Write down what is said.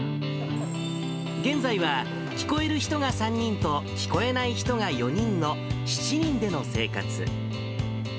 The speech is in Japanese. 現在は、聞こえる人が３人と聞こえない人が４人の７人での生活。